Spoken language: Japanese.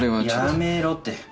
やめろって。